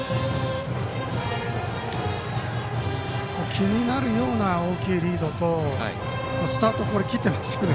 気になるような大きいリードとスタート、切ってますよね。